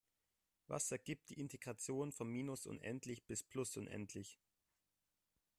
Was ergibt die Integration von minus unendlich bis plus unendlich?